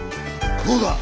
どうだ？